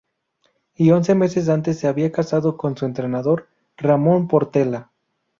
Y once meses antes se había casado con su entrenador, Ramón Portela.